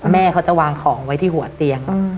แม่เขาจะวางของไว้ที่หัวเตียง